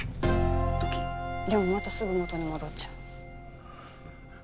でもまたすぐ元に戻っちゃう。